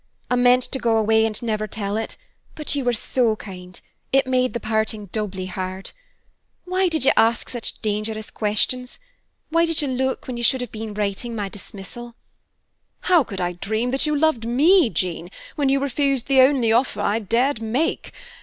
I meant to go away and never tell it, but you were so kind it made the parting doubly hard. Why did you ask such dangerous questions? Why did you look, when you should have been writing my dismissal?" "How could I dream that you loved me, Jean, when you refused the only offer I dared make?